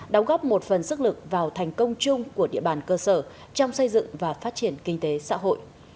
đóng góp một phần sức lực vào thành công chung của địa bàn cơ sở trong xây dựng và phát triển kinh tế xã hội